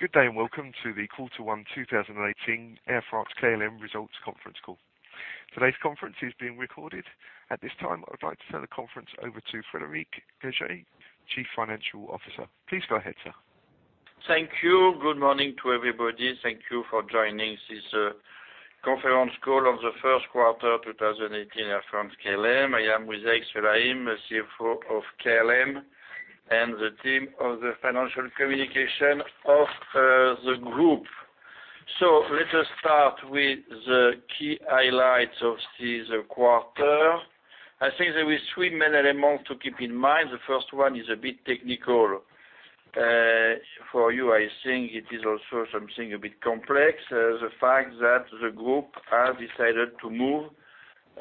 Good day, and welcome to the quarter one 2018 Air France-KLM results conference call. Today's conference is being recorded. At this time, I would like to turn the conference over to Frédéric Gagey, Chief Financial Officer. Please go ahead, sir. Thank you. Good morning to everybody. Thank you for joining this conference call on the first quarter 2018 Air France-KLM. I am Erik Swelheim, the CFO of KLM, and the team of the financial communication of the group. Let us start with the key highlights of this quarter. I think there is three main elements to keep in mind. The first one is a bit technical. For you, I think it is also something a bit complex. The fact that the group has decided to move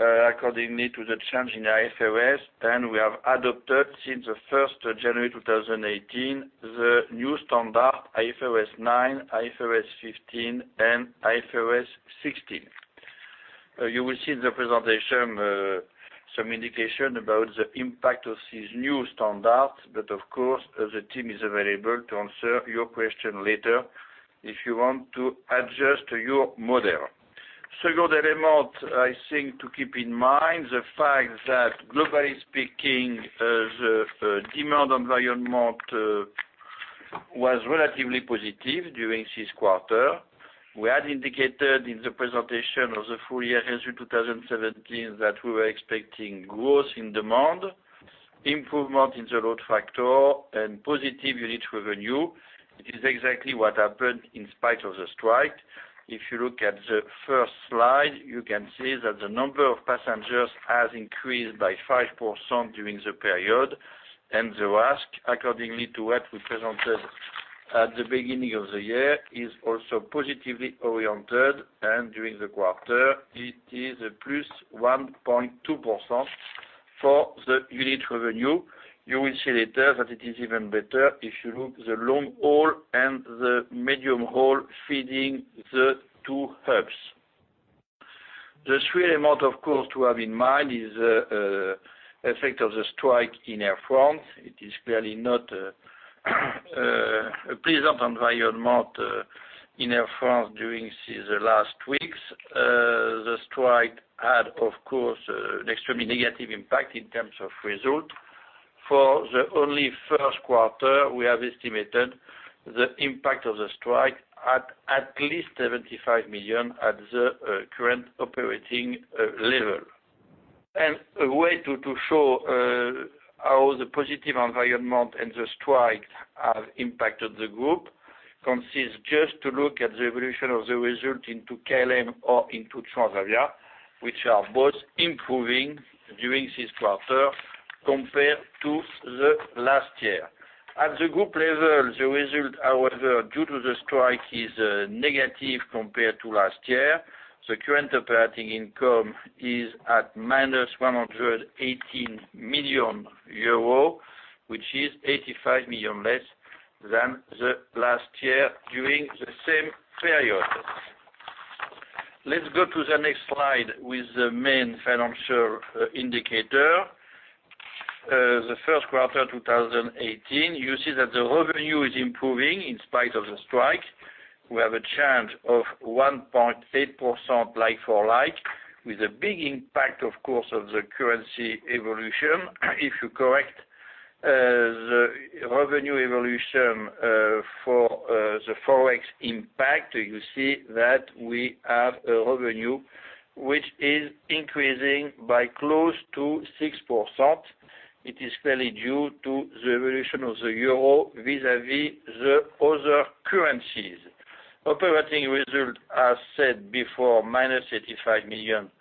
accordingly to the change in IFRS, and we have adopted since the 1st January 2018, the new standard IFRS 9, IFRS 15, and IFRS 16. You will see in the presentation some indication about the impact of these new standards, of course, the team is available to answer your question later if you want to adjust your model. Second element, I think to keep in mind, the fact that globally speaking, the demand environment was relatively positive during this quarter. We had indicated in the presentation of the full year as of 2017 that we were expecting growth in demand, improvement in the load factor, and positive unit revenue. It is exactly what happened in spite of the strike. If you look at the first slide, you can see that the number of passengers has increased by 5% during the period. The RASK, accordingly to what we presented at the beginning of the year, is also positively oriented. During the quarter, it is a +1.2% for the unit revenue. You will see later that it is even better if you look the long haul and the medium haul feeding the two hubs. The three amount, of course, to have in mind is effect of the strike in Air France. It is clearly not a pleasant environment in Air France during these last weeks. The strike had, of course, an extremely negative impact in terms of result. For the only first quarter, we have estimated the impact of the strike at least 75 million at the current operating level. A way to show how the positive environment and the strike have impacted the group consists just to look at the evolution of the result into KLM or into Transavia, which are both improving during this quarter compared to the last year. At the group level, the result, however, due to the strike, is negative compared to last year. The current operating income is at minus 118 million euro, which is 85 million less than the last year during the same period. Let's go to the next slide with the main financial indicator. The first quarter 2018, you see that the revenue is improving in spite of the strike. We have a change of 1.8% like for like with a big impact, of course, of the currency evolution. If you correct the revenue evolution for the Forex impact, you see that we have a revenue, which is increasing by close to 6%. It is fairly due to the evolution of the euro vis-à-vis the other currencies. Operating result, as said before, minus 85 million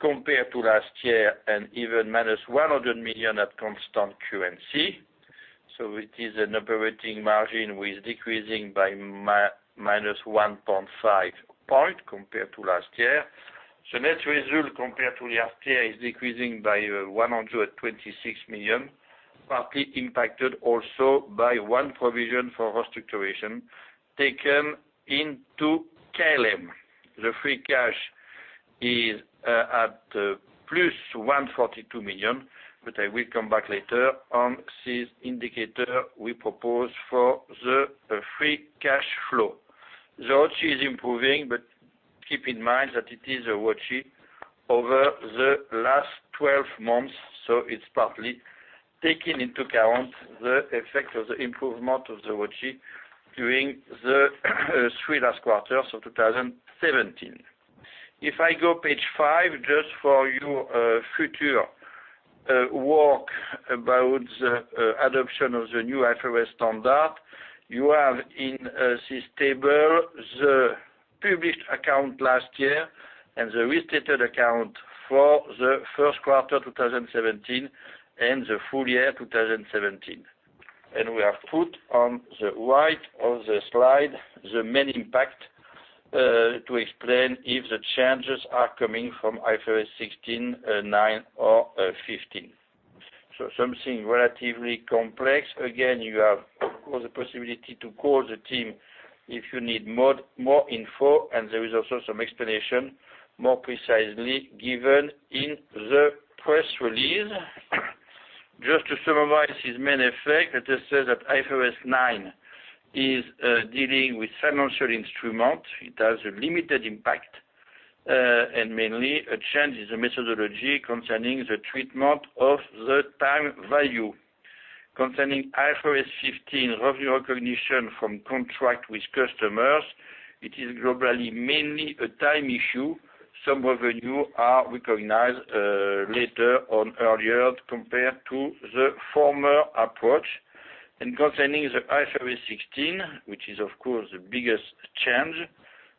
compared to last year, and even minus 100 million at constant currency. It is an operating margin, which is decreasing by minus 1.5 point compared to last year. Net result compared to last year is decreasing by 126 million, partly impacted also by one provision for restructuration taken into KLM. The free cash is at plus 142 million, but I will come back later on this indicator we propose for the free cash flow. ROCE is improving, but keep in mind that it is a ROCE over the last 12 months, it's partly taking into account the effect of the improvement of the ROCE during the three last quarters of 2017. If I go page five, just for your future work about the adoption of the new IFRS standard, you have in this table the published account last year and the restated account for the first quarter 2017 and the full year 2017. We have put on the right of the slide the main impact, to explain if the changes are coming from IFRS 16, 9, or 15. Something relatively complex. Again, you have, of course, the possibility to call the team if you need more info, and there is also some explanation, more precisely given in the press release. Just to summarize this main effect, let us say that IFRS 9 is dealing with financial instruments. It has a limited impact, and mainly a change in the methodology concerning the treatment of the time value. Concerning IFRS 15, revenue recognition from contract with customers, it is globally mainly a time issue. Some revenue are recognized later on, earlier compared to the former approach. Concerning the IFRS 16, which is of course the biggest change,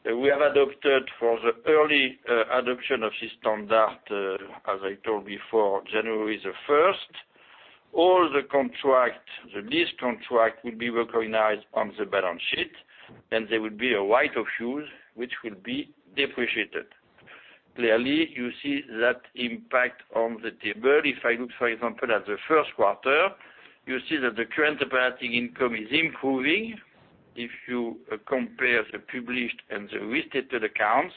we have adopted for the early adoption of this standard, as I told before, January 1st. All the lease contracts will be recognized on the balance sheet, and there will be a right of use, which will be depreciated. Clearly, you see that impact on the table. If I look, for example, at the first quarter, you see that the current operating income is improving, if you compare the published and the restated accounts.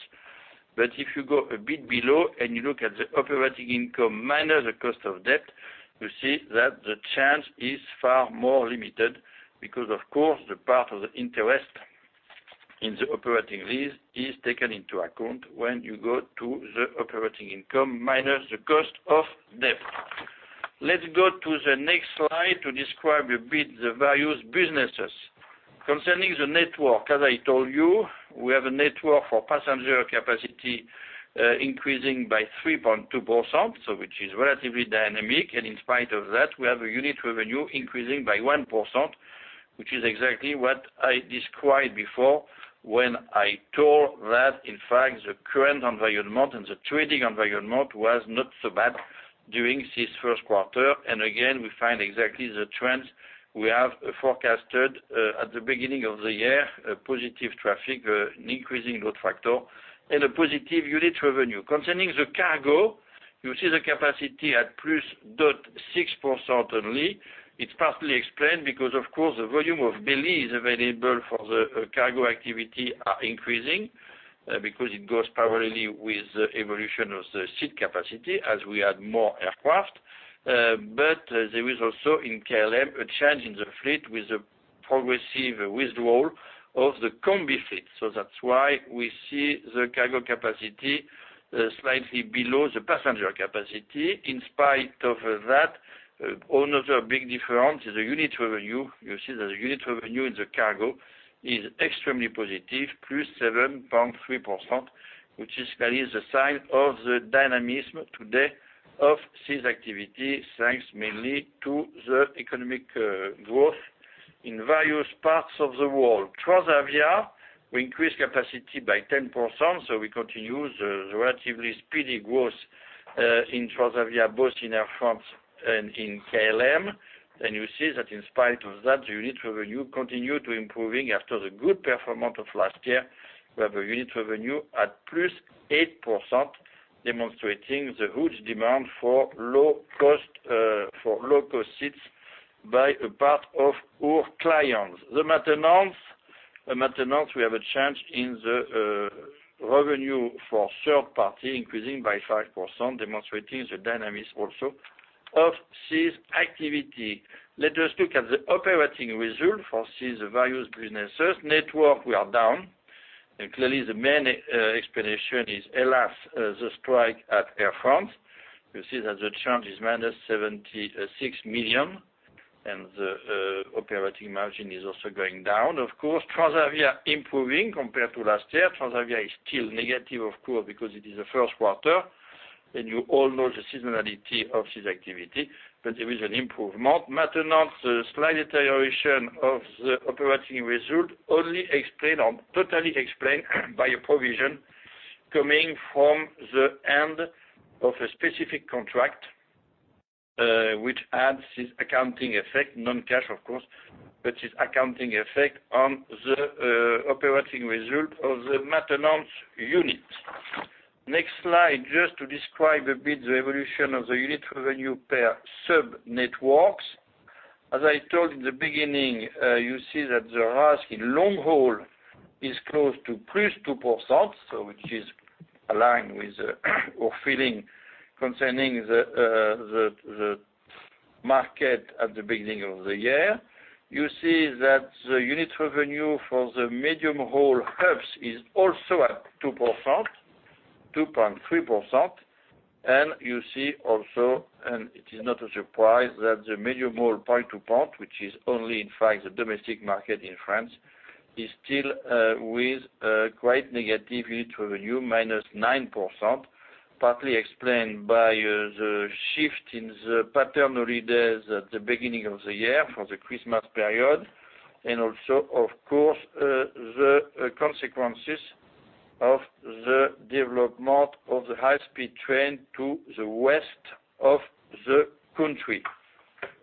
If you go a bit below and you look at the operating income minus the cost of debt, you see that the change is far more limited because, of course, the part of the interest in the operating lease is taken into account when you go to the operating income minus the cost of debt. Let's go to the next slide to describe a bit the various businesses. Concerning the network, as I told you, we have a network for passenger capacity increasing by 3.2%, which is relatively dynamic. In spite of that, we have a unit revenue increasing by 1%, which is exactly what I described before when I told that, in fact, the current environment and the trading environment was not so bad during this first quarter. Again, we find exactly the trends we have forecasted at the beginning of the year: positive traffic, an increasing load factor, and a positive unit revenue. Concerning the cargo, you see the capacity at +0.6% only. It is partly explained because, of course, the volume of bellies available for the cargo activity are increasing, because it goes parallelly with the evolution of the seat capacity as we add more aircraft. There is also in KLM, a change in the fleet with the progressive withdrawal of the Combi fleet. That is why we see the cargo capacity slightly below the passenger capacity. In spite of that, another big difference is the unit revenue. You see that the unit revenue in the cargo is extremely positive, +7.3%, which is clearly the sign of the dynamism today of this activity, thanks mainly to the economic growth in various parts of the world. Transavia, we increased capacity by 10%. We continue the relatively speedy growth in Transavia, both in Air France and in KLM. You see that in spite of that, the unit revenue continue to improving after the good performance of last year. We have a unit revenue at +8%, demonstrating the huge demand for low-cost seats by a part of our clients. The maintenance. We have a change in the revenue for third party, increasing by 5%, demonstrating the dynamics also of this activity. Let us look at the operating result for these various businesses. Network. We are down. Clearly, the main explanation is, alas, the strike at Air France. You see that the change is minus 76 million, and the operating margin is also going down, of course. Transavia improving compared to last year. Transavia is still negative, of course, because it is the first quarter, and you all know the seasonality of this activity, but there is an improvement. Maintenance. The slight deterioration of the operating result only explained, or totally explained by a provision coming from the end of a specific contract, which adds this accounting effect, non-cash, of course, but it is accounting effect on the operating result of the maintenance unit. Next slide. Just to describe a bit the evolution of the unit revenue per sub-networks. As I told in the beginning, you see that the RASK in long-haul is close to +2%, which is aligned with our feeling concerning the market at the beginning of the year. You see that the unit revenue for the medium-haul hubs is also at 2.3%. You see also, and it is not a surprise, that the medium-haul point to point, which is only in fact the domestic market in France, is still with a quite negative unit revenue, minus 9%, partly explained by the shift in the pattern holidays days at the beginning of the year for the Christmas period, and also, of course, the consequences of the development of the high-speed train to the west of the country.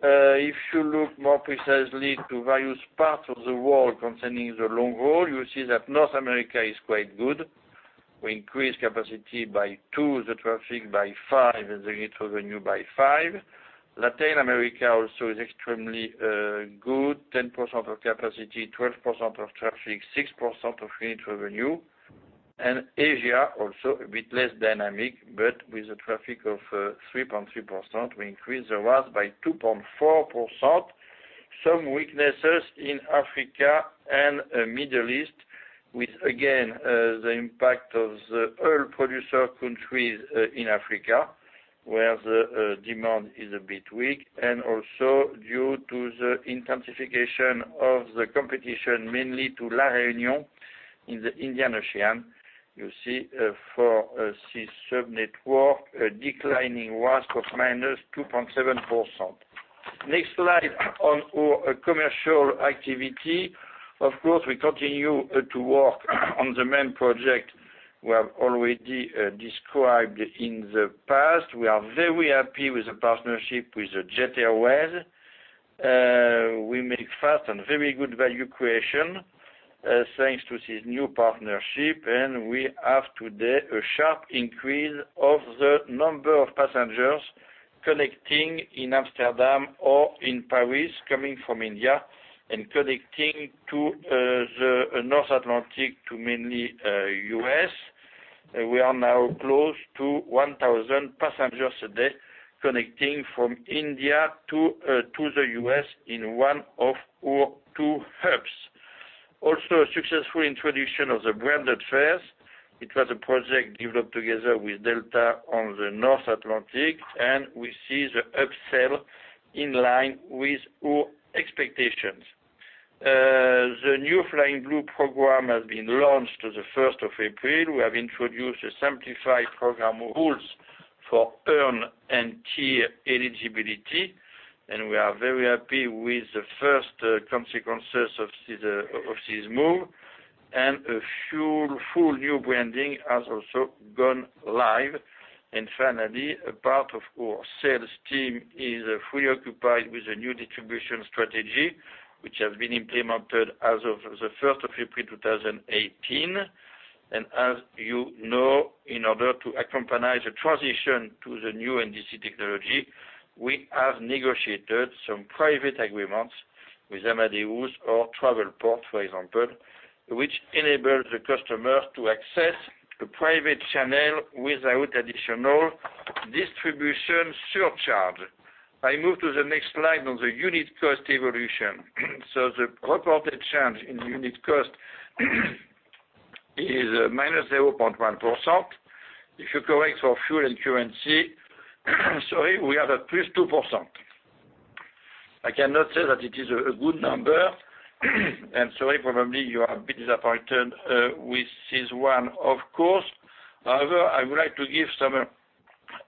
If you look more precisely to various parts of the world concerning the long-haul, you see that North America is quite good. We increased capacity by 2%, the traffic by 5%, and the unit revenue by 5%. Latin America also is extremely good, 10% of capacity, 12% of traffic, 6% of unit revenue. Asia also a bit less dynamic, but with the traffic of 3.3%, we increased the revenue by 2.4%. Some weaknesses in Africa and Middle East with, again, the impact of the oil producer countries in Africa, where the demand is a bit weak, and also due to the intensification of the competition, mainly to La Réunion in the Indian Ocean. You see for this sub-network, a declining revenue of -2.7%. Next slide on our commercial activity. Of course, we continue to work on the main project we have already described in the past. We are very happy with the partnership with Jet Airways. We make fast and very good value creation, thanks to this new partnership. We have today a sharp increase of the number of passengers connecting in Amsterdam or in Paris, coming from India and connecting to the North Atlantic to mainly U.S. We are now close to 1,000 passengers a day connecting from India to the U.S. in one of our two hubs. Also, a successful introduction of the branded fares. It was a project developed together with Delta on the North Atlantic, and we see the upsell in line with our expectations. The new Flying Blue program has been launched the 1st of April. We have introduced simplified program rules for earn and tier eligibility, and we are very happy with the first consequences of this move, and a full new branding has also gone live. Finally, a part of our sales team is fully occupied with the new distribution strategy, which has been implemented as of the 1st of April 2018. As you know, in order to accompany the transition to the new NDC technology, we have negotiated some private agreements with Amadeus or Travelport, for example, which enable the customer to access a private channel without additional distribution surcharge. I move to the next slide on the unit cost evolution. The reported change in unit cost is -0.1%. If you correct for fuel and currency, we have a +2%. I cannot say that it is a good number. Sorry, probably you are a bit disappointed with this one, of course. However, I would like to give some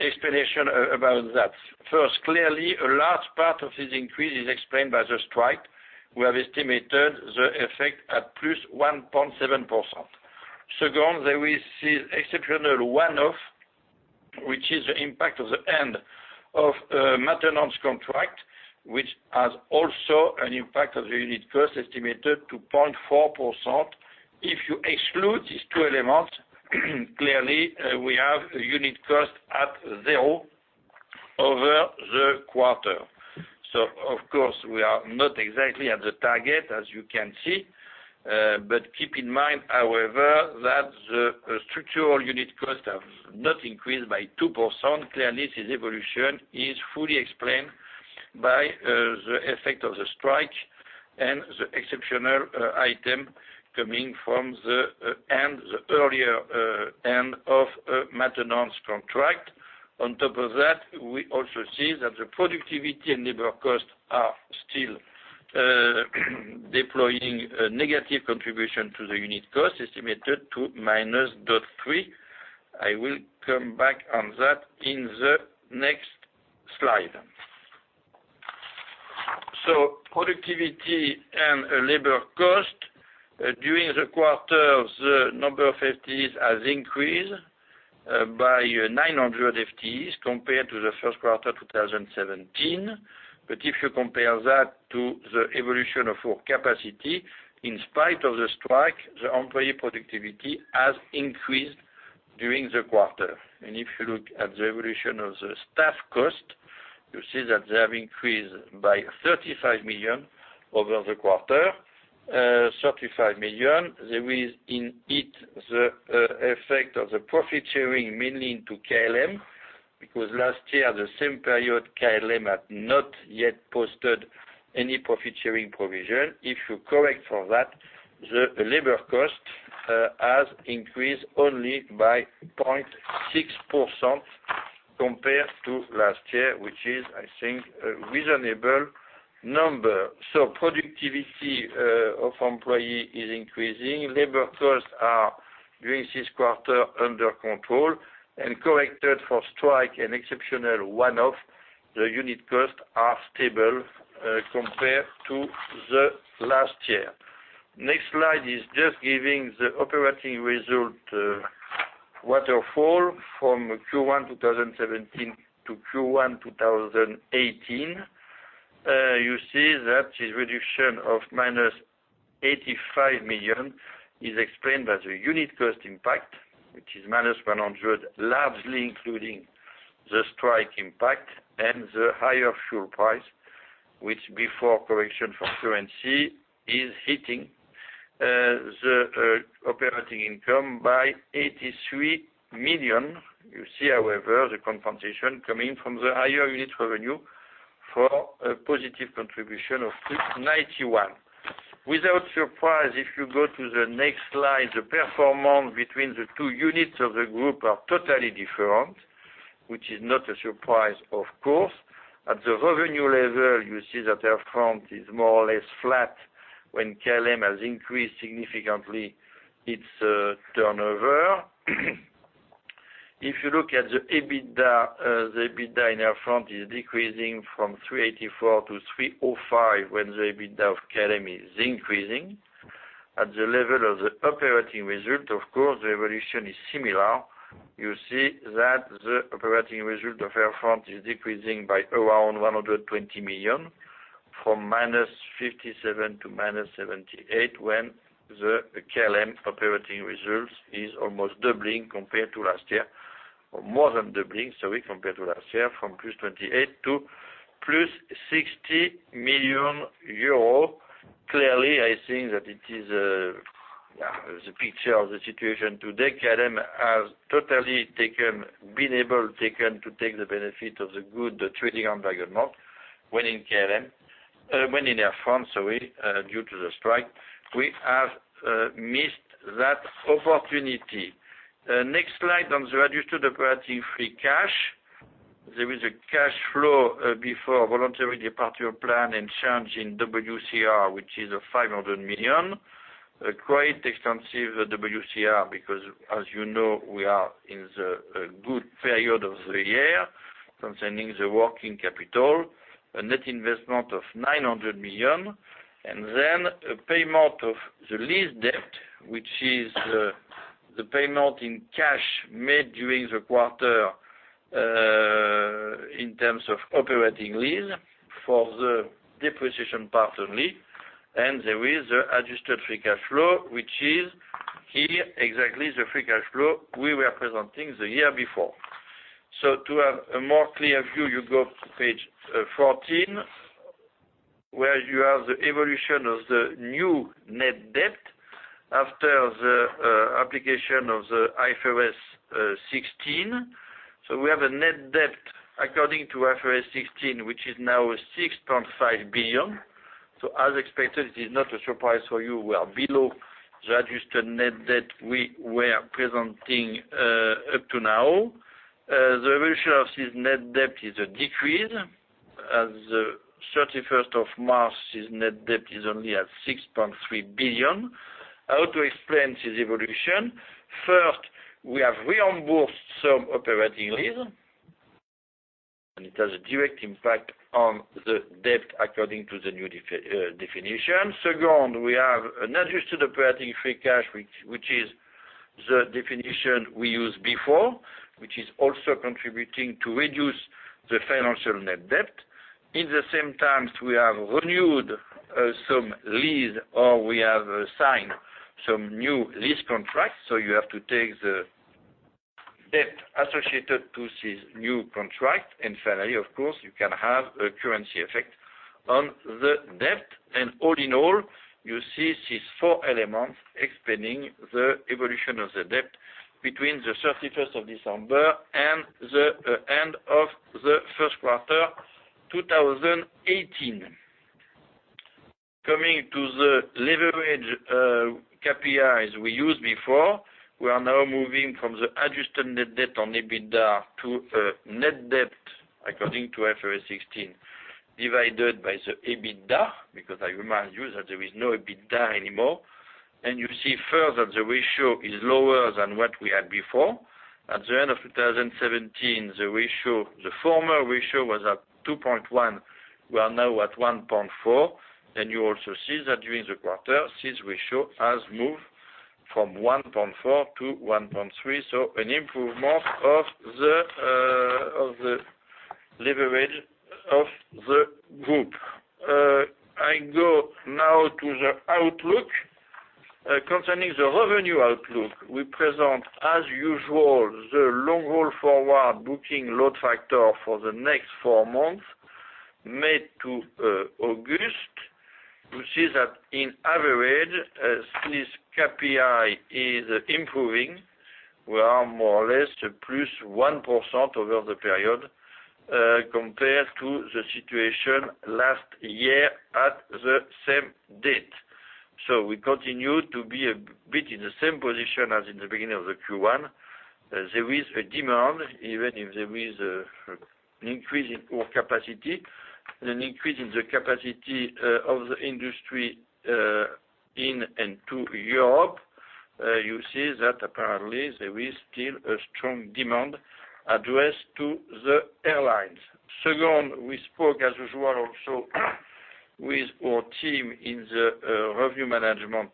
explanation about that. First, clearly, a large part of this increase is explained by the strike. We have estimated the effect at +1.7%. Second, there is this exceptional one-off, which is the impact of the end of a maintenance contract, which has also an impact on the unit cost, estimated to 0.4%. If you exclude these two elements, clearly, we have unit cost at zero over the quarter. Of course, we are not exactly at the target, as you can see. Keep in mind, however, that the structural unit cost has not increased by 2%. Clearly, this evolution is fully explained by the effect of the strike and the exceptional item coming from the earlier end of a maintenance contract. On top of that, we also see that the productivity and labor costs are still deploying a negative contribution to the unit cost, estimated to -0.3%. I will come back on that in the next slide. Productivity and labor cost. During the quarter, the number of FTEs has increased by 900 FTEs compared to the first quarter 2017. If you compare that to the evolution of our capacity, in spite of the strike, the employee productivity has increased during the quarter. If you look at the evolution of the staff cost, you see that they have increased by 35 million over the quarter. There is in it the effect of the profit sharing mainly to KLM, because last year, the same period, KLM had not yet posted any profit-sharing provision. If you correct for that, the labor cost has increased only by 0.6% compared to last year, which is, I think, a reasonable number. Productivity of employee is increasing. Labor costs are, during this quarter, under control, and corrected for strike and exceptional one-off, the unit costs are stable compared to the last year. Next slide is just giving the operating result waterfall from Q1 2017 to Q1 2018. You see that this reduction of -85 million is explained by the unit cost impact, which is -100, largely including the strike impact and the higher fuel price. Which before correction from currency, is hitting the operating income by 83 million. You see, however, the confrontation coming from the higher unit revenue for a positive contribution of plus 91. Without surprise, if you go to the next slide, the performance between the two units of the group are totally different, which is not a surprise, of course. At the revenue level, you see that Air France is more or less flat, when KLM has increased significantly its turnover. If you look at the EBITDA, the EBITDA in Air France is decreasing from 384 to 305, when the EBITDA of KLM is increasing. At the level of the operating result, of course, the evolution is similar. You see that the operating result of Air France is decreasing by around 120 million, from -57 to -78, when the KLM operating results is almost doubling compared to last year, or more than doubling, sorry, compared to last year, from plus 28 to plus 60 million euros. Clearly, I think that it is the picture of the situation today. KLM has totally been able to take the benefit of the good trading on when in KLM, when in Air France, sorry, due to the strike, we have missed that opportunity. Next slide, on the adjusted operating free cash. There is a cash flow before voluntary departure plan and change in WCR, which is a 500 million. A great extensive WCR, because, as you know, we are in the good period of the year concerning the working capital. A net investment of 900 million, then a payment of the lease debt, which is the payment in cash made during the quarter, in terms of operating lease for the depreciation part only. There is adjusted free cash flow, which is here, exactly the free cash flow we were presenting the year before. To have a more clear view, you go to page 14, where you have the evolution of the new net debt after the application of the IFRS 16. We have a net debt according to IFRS 16, which is now 6.5 billion. As expected, it is not a surprise for you. We are below the adjusted net debt we were presenting up to now. The evolution of this net debt is a decrease. As of 31st of March, this net debt is only at 6.3 billion. How to explain this evolution? First, we have reimbursed some operating lease, and it has a direct impact on the debt according to the new definition. Second, we have an adjusted operating free cash, which is the definition we used before, which is also contributing to reduce the financial net debt. At the same time, we have renewed some lease, or we have signed some new lease contracts, so you have to take the debt associated to this new contract. Finally, of course, you can have a currency effect on the debt. All in all, you see these four elements explaining the evolution of the debt between the 31st of December and the end of the first quarter 2018. Coming to the leverage KPI as we used before, we are now moving from the adjusted net debt on EBITDA to net debt according to IFRS 16, divided by the EBITDA, because I remind you that there is no EBITDA anymore. You see further, the ratio is lower than what we had before. At the end of 2017, the former ratio was at 2.1, we are now at 1.4. You also see that during the quarter, this ratio has moved from 1.4 to 1.3, so an improvement of the leverage of the group. I go now to the outlook. Concerning the revenue outlook, we present, as usual, the long-haul forward booking load factor for the next four months, May to August. You see that on average, this KPI is improving. We are more or less +1% over the period, compared to the situation last year at the same date. We continue to be a bit in the same position as in the beginning of the Q1. There is a demand, even if there is an increase in our capacity and an increase in the capacity of the industry in and to Europe. You see that apparently, there is still a strong demand addressed to the airlines. Second, we spoke as usual also with our team in the revenue management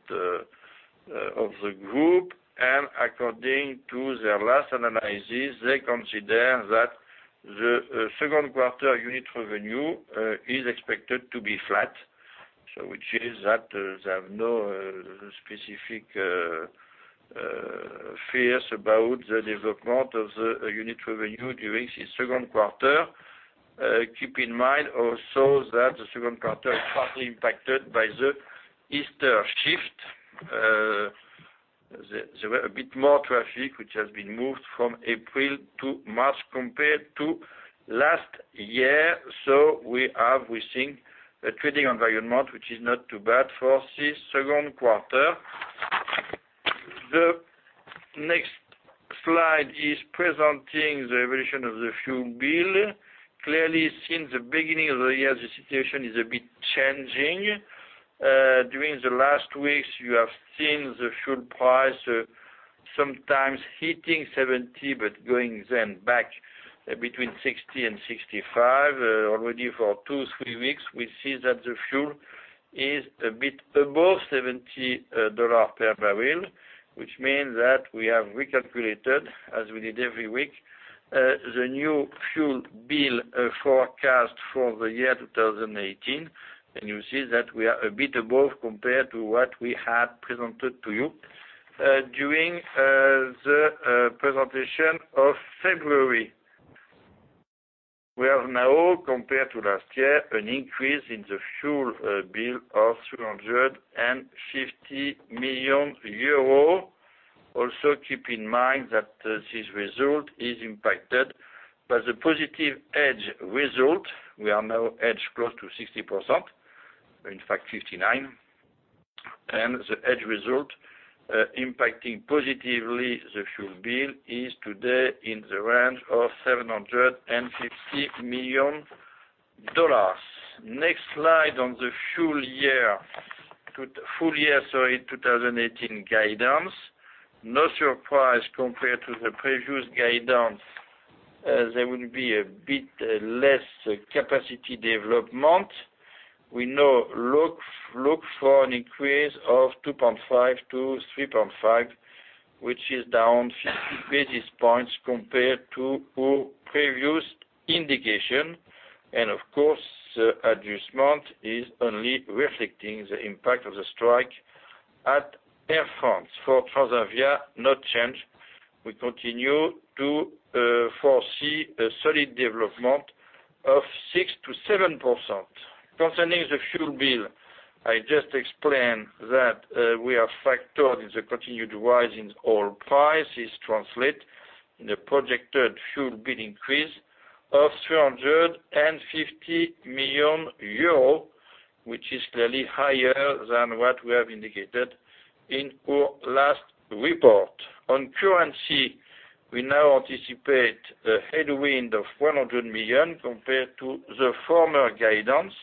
of the group. According to their last analysis, they consider that the second quarter unit revenue is expected to be flat. Which is that there are no specific fears about the development of the unit revenue during the second quarter. Keep in mind also that the second quarter is partly impacted by the Easter shift. There were a bit more traffic, which has been moved from April to March compared to last year. We think the trading environment, which is not too bad for this second quarter. The next slide is presenting the evolution of the fuel bill. Clearly, since the beginning of the year, the situation is a bit changing. During the last weeks, you have seen the fuel price sometimes hitting $70, but going then back between $60 and $65. Already for two, three weeks, we see that the fuel is a bit above $70 per barrel, which means that we have recalculated, as we did every week, the new fuel bill forecast for the year 2018. You see that we are a bit above compared to what we had presented to you during the presentation of February. We have now, compared to last year, an increase in the fuel bill of 350 million euros. Keep in mind that this result is impacted by the positive hedge result. We are now hedged close to 60%, in fact, 59%. The hedge result impacting positively the fuel bill is today in the range of $750 million. Next slide on the full year 2018 guidance. No surprise compared to the previous guidance. There will be a bit less capacity development. We now look for an increase of 2.5 to 3.5, which is down 50 basis points compared to our previous indication. Of course, the adjustment is only reflecting the impact of the strike at Air France. For Transavia, no change. We continue to foresee a solid development of 6% to 7%. Concerning the fuel bill, I just explained that we have factored in the continued rise in oil prices translate in the projected fuel bill increase of 350 million euros, which is clearly higher than what we have indicated in our last report. On currency, we now anticipate a headwind of 100 million compared to the former guidance.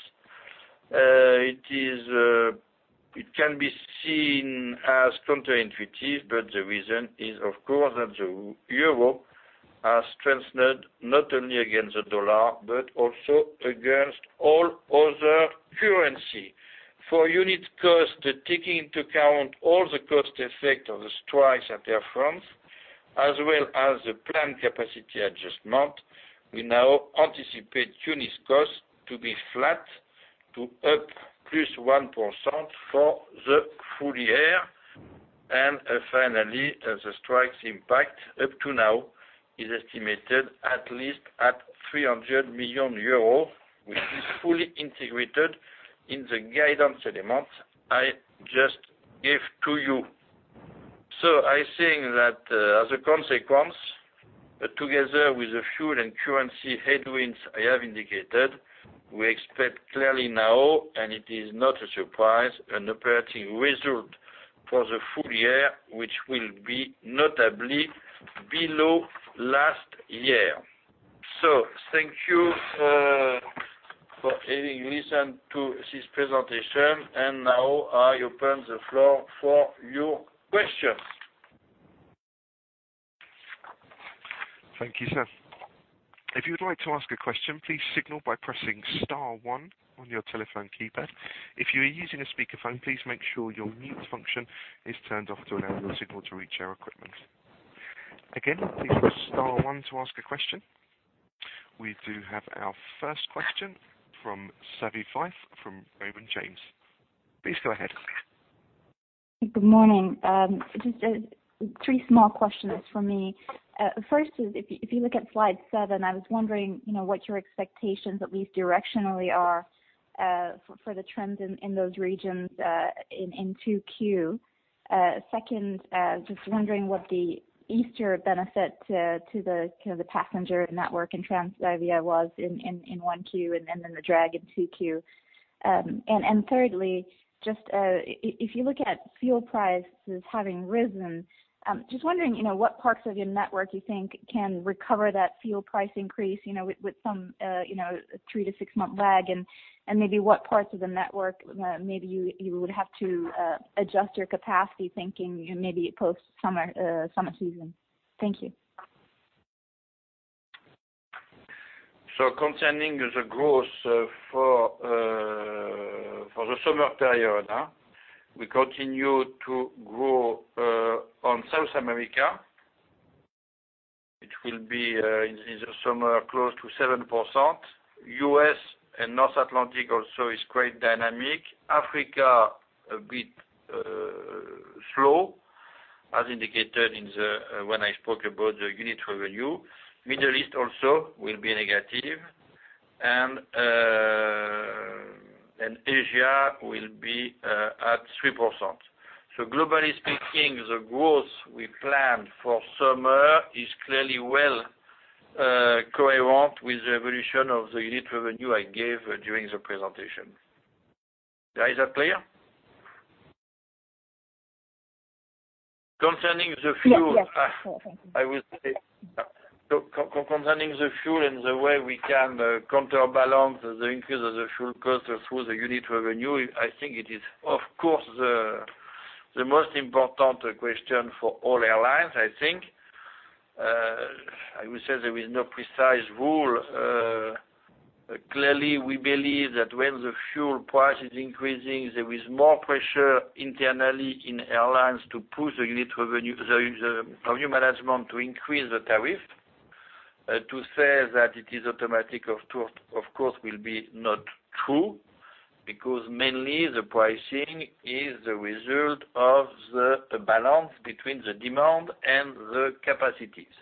It can be seen as counterintuitive, but the reason is, of course, that the Euro has strengthened not only against the Dollar but also against all other currency. For unit cost, taking into account all the cost effect of the strikes at Air France, as well as the planned capacity adjustment, we now anticipate unit cost to be flat to up +1% for the full year. Finally, the strike's impact up to now is estimated at least at 300 million euros, which is fully integrated in the guidance element I just gave to you. I think that as a consequence, together with the fuel and currency headwinds I have indicated, we expect clearly now, and it is not a surprise, an operating result for the full year, which will be notably below last year. Thank you for having listened to this presentation, and now I open the floor for your questions. Thank you, sir. If you would like to ask a question, please signal by pressing star one on your telephone keypad. If you are using a speakerphone, please make sure your mute function is turned off to allow your signal to reach our equipment. Again, please press star one to ask a question. We do have our first question from Savi Fife from Owen James. Please go ahead. Good morning. Just three small questions from me. First is, if you look at slide seven, I was wondering what your expectations, at least directionally, are for the trends in those regions in 2Q. Second, just wondering what the Easter benefit to the passenger network in Transavia was in 1Q, then the drag in 2Q. Thirdly, just if you look at fuel prices having risen, just wondering, what parts of your network you think can recover that fuel price increase, with some three to six-month lag? Maybe what parts of the network maybe you would have to adjust your capacity thinking, maybe post summer season. Thank you. Concerning the growth for the summer period, we continue to grow on South America. It will be in the summer, close to 7%. U.S. and North Atlantic also is quite dynamic. Africa, a bit slow, as indicated when I spoke about the unit revenue. Middle East also will be negative. Asia will be at 3%. Globally speaking, the growth we planned for summer is clearly well coherent with the evolution of the unit revenue I gave during the presentation. Is that clear? Yes. Concerning the fuel and the way we can counterbalance the increase of the fuel cost through the unit revenue, I think it is, of course, the most important question for all airlines, I think. I would say there is no precise rule. Clearly, we believe that when the fuel price is increasing, there is more pressure internally in airlines to push the unit revenue, the revenue management to increase the tariff. To say that it is automatic, of course, will be not true, because mainly the pricing is the result of the balance between the demand and the capacities.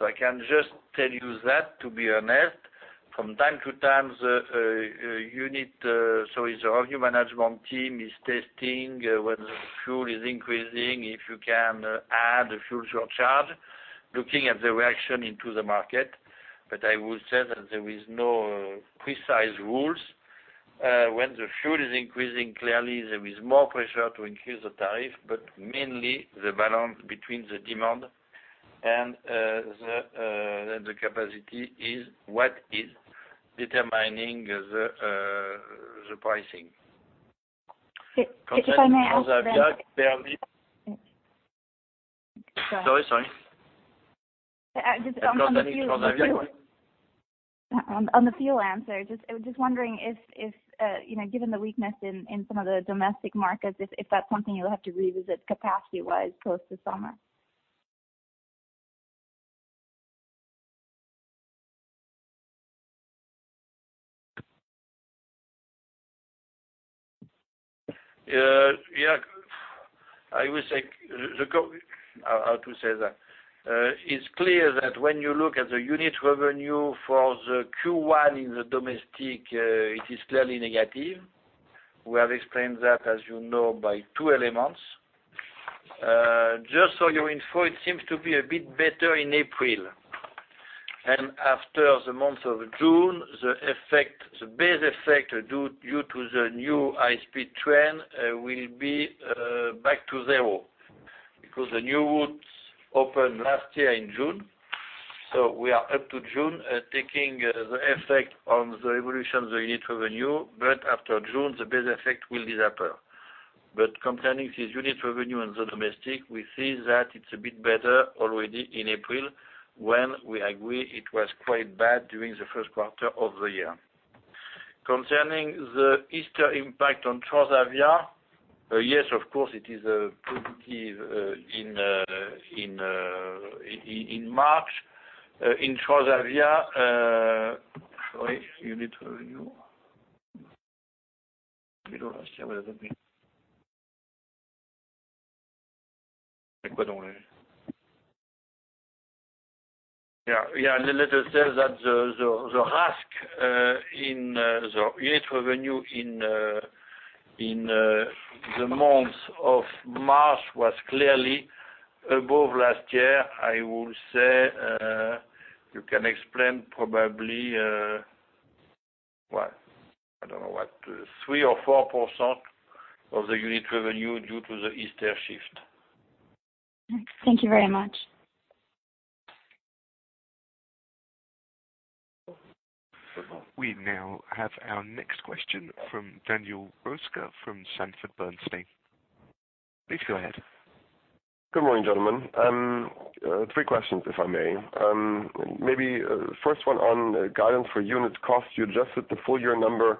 I can just tell you that, to be honest, from time to time, the revenue management team is testing when the fuel is increasing, if you can add a fuel surcharge, looking at the reaction into the market. I would say that there is no precise rules. When the fuel is increasing, clearly, there is more pressure to increase the tariff, mainly the balance between the demand and the capacity is what is determining the pricing. If I may ask? Concerning Transavia, sorry. Just on the fuel answer. Concerning Transavia what? On the fuel answer, I was just wondering if, given the weakness in some of the domestic markets, if that's something you will have to revisit capacity-wise close to summer. How to say that? It is clear that when you look at the unit revenue for the Q1 in the domestic, it is clearly negative. We have explained that, as you know, by two elements. Just so you know, it seems to be a bit better in April. After the month of June, the base effect due to the new high-speed train, will be back to zero, because the new routes opened last year in June. We are up to June, taking the effect on the evolution of the unit revenue, but after June, the base effect will disappear. Concerning this unit revenue in the domestic, we see that it is a bit better already in April, when we agree it was quite bad during the first quarter of the year. Concerning the Easter impact on Transavia, yes, of course, it is positive in March in Transavia. Sorry, unit revenue. Last year, where has it been? Yeah. Let us say that the RASK in the unit revenue in the month of March was clearly above last year. I would say, you can explain probably, I do not know what, 3% or 4% of the unit revenue due to the Easter shift. Thank you very much. We now have our next question from Daniel Roeska from Sanford Bernstein. Please go ahead. Good morning, gentlemen. Three questions, if I may. Maybe first one on guidance for unit cost, you adjusted the full-year number.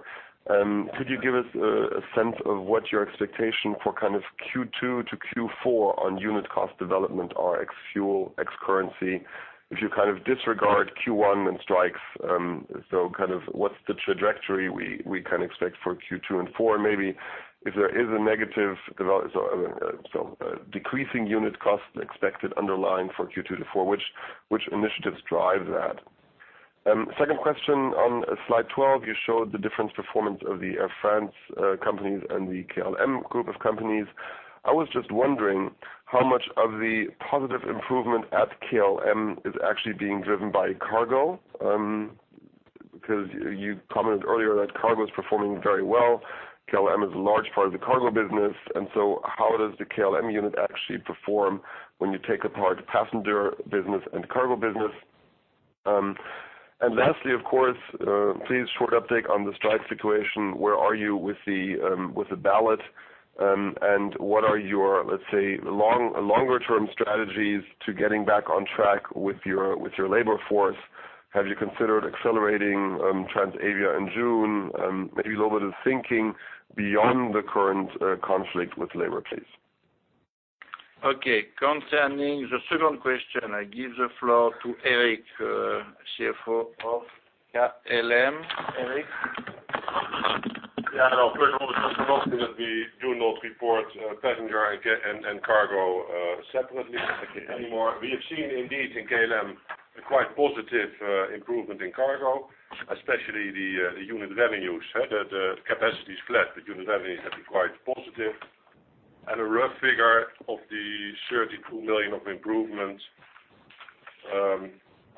Could you give us a sense of what your expectation for kind of Q2 to Q4 on unit cost development are ex-fuel, ex-currency? If you kind of disregard Q1 and strikes, what's the trajectory we can expect for Q2 and four, maybe? If there is a negative, so decreasing unit cost expected underlying for Q2 to four, which initiatives drive that? Second question, on Slide 12, you showed the different performance of the Air France companies and the KLM group of companies. I was just wondering how much of the positive improvement at KLM is actually being driven by cargo. Because you commented earlier that cargo is performing very well. KLM is a large part of the cargo business, how does the KLM unit actually perform when you take apart passenger business and cargo business? Lastly, of course, please short update on the strike situation. Where are you with the ballot? What are your, let's say, longer term strategies to getting back on track with your labor force? Have you considered accelerating Transavia in Joon? Maybe a little bit of thinking beyond the current conflict with labor, please. Okay. Concerning the second question, I give the floor to Erik, CFO of KLM. Erik? Yeah. First of all, just to note that we do not report passenger and cargo separately anymore. We have seen indeed in KLM a quite positive improvement in cargo, especially the unit revenues. The capacity is flat, the unit revenues have been quite positive. A rough figure of the 32 million of improvement,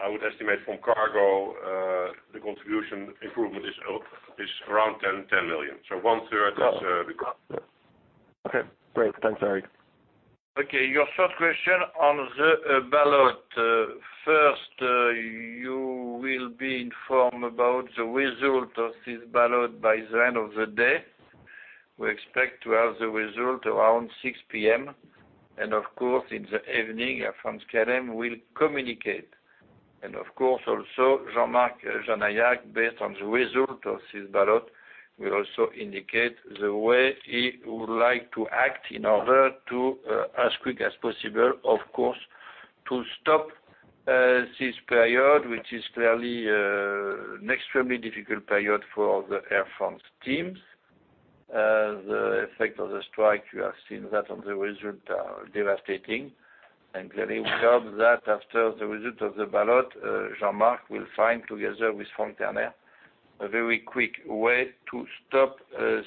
I would estimate from cargo, the contribution improvement is around 10 million. One-third is. Okay. Great. Thanks, Erik. Okay, your first question on the ballot. First, you will be informed about the result of this ballot by the end of the day. We expect to have the result around 6:00 P.M. Of course, in the evening, Air France-KLM will communicate. Of course, also, Jean-Marc Janaillac, based on the result of this ballot, will also indicate the way he would like to act in order to, as quick as possible, of course, to stop this period, which is clearly an extremely difficult period for the Air France teams. The effect of the strike, you have seen that on the result, are devastating. Clearly, we hope that after the result of the ballot, Jean-Marc will find, together with Franck Terner, a very quick way to stop this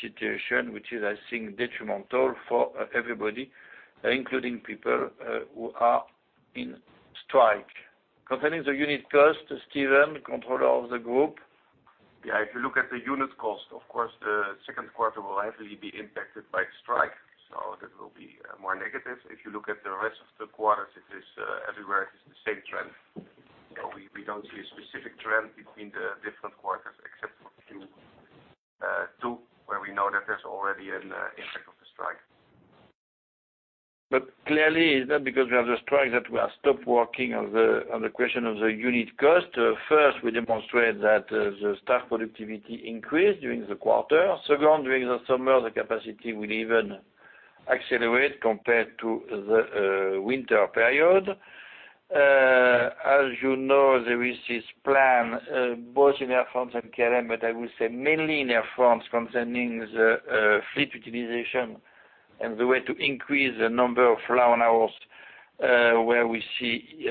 situation, which is, I think, detrimental for everybody, including people who are in strike. Concerning the unit cost, Steven, controller of the group. Yeah, if you look at the unit cost, of course, the second quarter will heavily be impacted by strike. That will be more negative. If you look at the rest of the quarters, everywhere it is the same trend. We don't see a specific trend between the different quarters, except for Q2, where we know that there's already an impact of the strike. Clearly, it's not because we have the strike that we are stopped working on the question of the unit cost. First, we demonstrate that the staff productivity increased during the quarter. Second, during the summer, the capacity will even accelerate compared to the winter period. As you know, there is this plan, both in Air France and KLM, but I would say mainly in Air France, concerning the fleet utilization and the way to increase the number of flown hours, where we see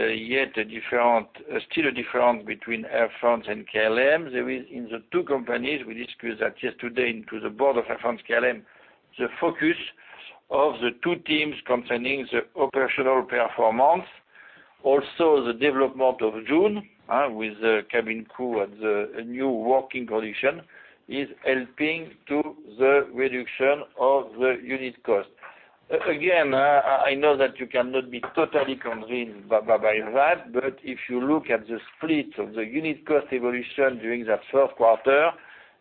still a difference between Air France and KLM. In the two companies, we discussed that just today into the board of Air France-KLM, the focus of the two teams concerning the operational performance. Also, the development of Joon, with the cabin crew and the new working condition, is helping to the reduction of the unit cost. Again, I know that you cannot be totally convinced by that, but if you look at the split of the unit cost evolution during that first quarter,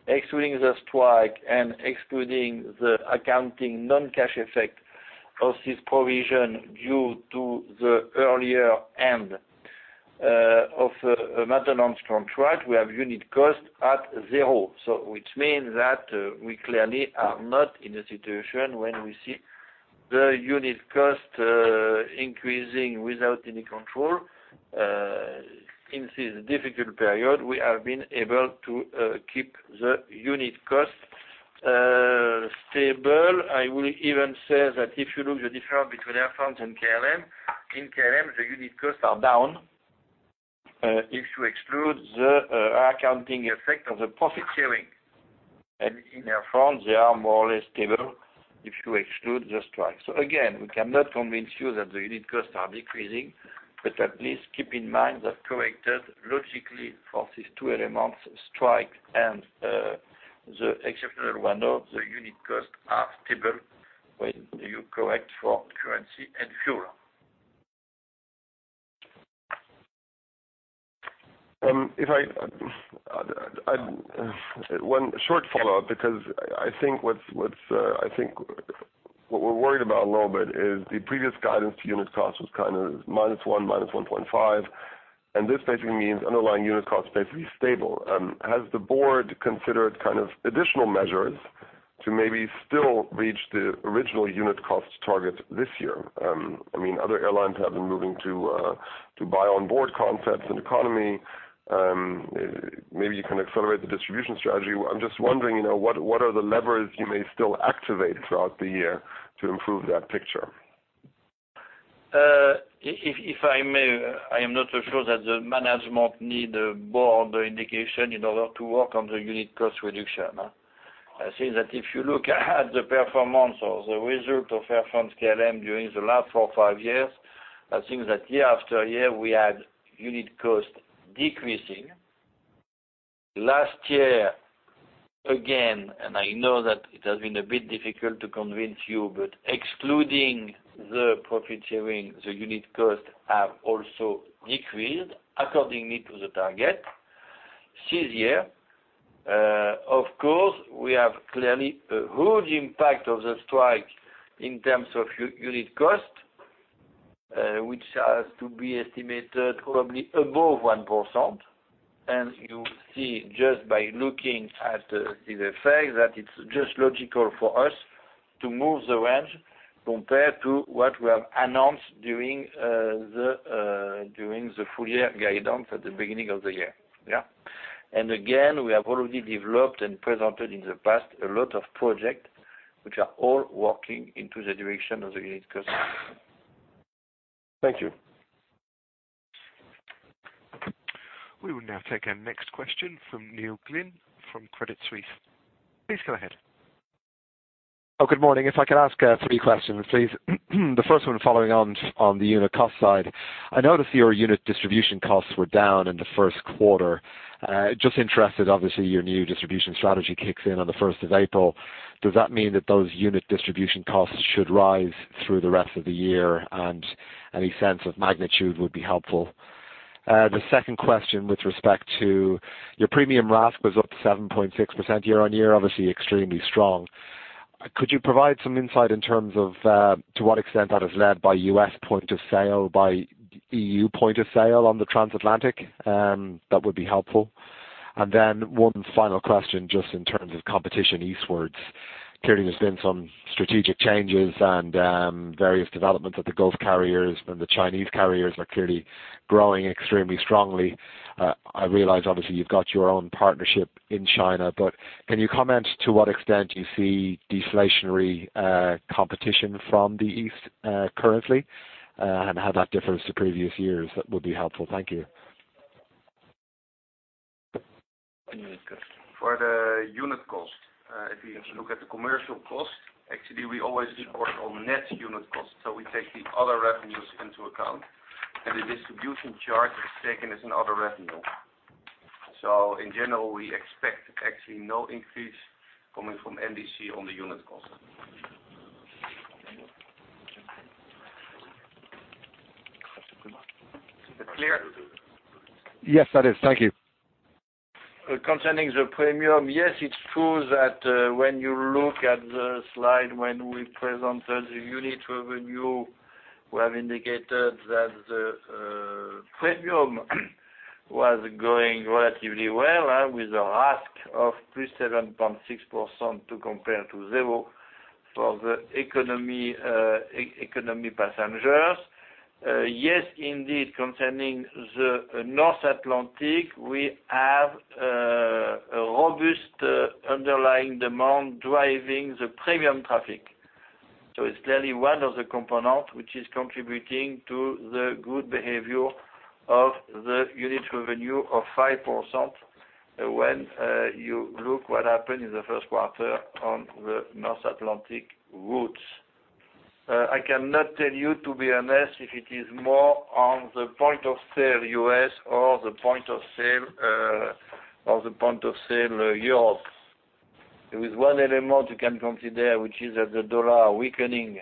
excluding the strike and excluding the accounting non-cash effect of this provision due to the earlier end of maintenance contract, we have unit cost at zero. Which means that we clearly are not in a situation when we see the unit cost increasing without any control. In this difficult period, we have been able to keep the unit cost stable. I will even say that if you look the difference between Air France and KLM, in KLM, the unit costs are down. If you exclude the accounting effect of the profit sharing. In Air France, they are more or less stable if you exclude the strike. Again, we cannot convince you that the unit costs are decreasing, but at least keep in mind that corrected logically for these two elements, strike and the exceptional one-off, the unit costs are stable when you correct for currency and fuel. One short follow-up, I think what we're worried about a little bit is the previous guidance to unit cost was -1%, -1.5%, and this basically means underlying unit cost basically stable. Has the board considered additional measures to maybe still reach the original unit cost target this year? Other airlines have been moving to buy-on-board concepts in economy. Maybe you can accelerate the distribution strategy. I'm just wondering, what are the levers you may still activate throughout the year to improve that picture? If I may, I am not so sure that the management need board indication in order to work on the unit cost reduction. I think that if you look at the performance or the result of Air France-KLM during the last four or five years, I think that year after year, we had unit cost decreasing. Last year, again, I know that it has been a bit difficult to convince you, but excluding the profit sharing, the unit cost have also decreased accordingly to the target. This year, of course, we have clearly a huge impact of the strike in terms of unit cost, which has to be estimated probably above 1%. You see just by looking at the effect, that it's just logical for us to move the range compared to what we have announced during the full year guidance at the beginning of the year. Yeah. Again, we have already developed and presented in the past a lot of project, which are all working into the direction of the unit cost. Thank you. We will now take our next question from Neil Glynn from Credit Suisse. Please go ahead. Good morning. If I could ask three questions, please. The first one, following on the unit cost side. I noticed your unit distribution costs were down in the first quarter. Just interested, obviously, your new distribution strategy kicks in on the 1st of April. Does that mean that those unit distribution costs should rise through the rest of the year? Any sense of magnitude would be helpful. The second question, with respect to your premium RASK was up 7.6% year-on-year, obviously extremely strong. Could you provide some insight in terms of, to what extent that is led by U.S. point of sale, by EU point of sale on the transatlantic? That would be helpful. One final question, just in terms of competition eastwards. Clearly, there's been some strategic changes and various developments at the Gulf carriers, and the Chinese carriers are clearly growing extremely strongly. I realize obviously you've got your own partnership in China, can you comment to what extent you see deflationary competition from the East currently, and how that differs to previous years? That would be helpful. Thank you. Unit cost. For the unit cost, if you look at the commercial cost, actually, we always report on net unit cost. We take the other revenues into account, and the distribution charge is taken as an other revenue. In general, we expect actually no increase coming from NDC on the unit cost. Is it clear? Yes, that is. Thank you. Concerning the premium, yes, it's true that when you look at the slide, when we presented the unit revenue, we have indicated that the premium was going relatively well, with a RASK of +7.6% to compare to zero for the economy passengers. Yes, indeed, concerning the North Atlantic, we have a robust underlying demand driving the premium traffic. It's clearly one of the component which is contributing to the good behavior of the unit revenue of 5%, when you look what happened in the first quarter on the North Atlantic routes. I cannot tell you, to be honest, if it is more on the point of sale U.S. or the point of sale Europe. There is one element you can consider, which is that the dollar weakening,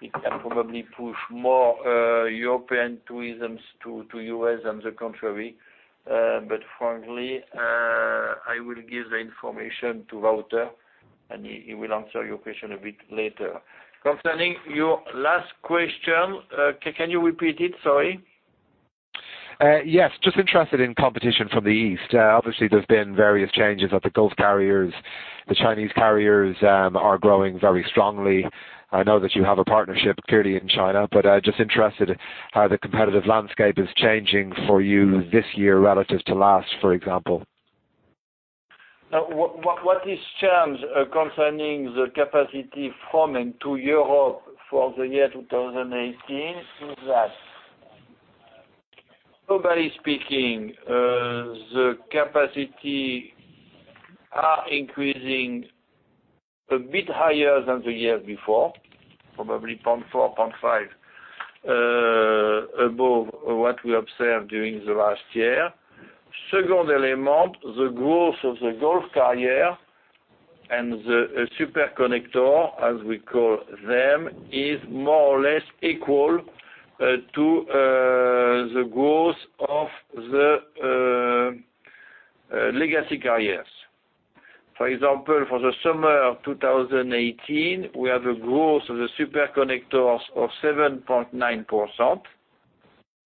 it can probably push more European tourism to U.S. than the contrary. Frankly, I will give the information to Wouter, and he will answer your question a bit later. Concerning your last question, can you repeat it? Sorry. Yes. Just interested in competition from the East. Obviously, there's been various changes at the Gulf carriers. The Chinese carriers are growing very strongly. I know that you have a partnership clearly in China, but just interested how the competitive landscape is changing for you this year relative to last, for example. What has changed concerning the capacity forming to Europe for the year 2018 is that, globally speaking, the capacity are increasing a bit higher than the year before, probably 0.4, 0.5 above what we observed during the last year. Second element, the growth of the Gulf carrier and the super-connector, as we call them, is more or less equal to the growth of the legacy carriers. For example, for the summer of 2018, we have a growth of the super-connectors of 7.9%,